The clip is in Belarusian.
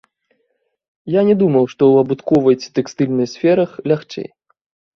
Я не думаў, што ў абутковай ці тэкстыльнай сферах лягчэй.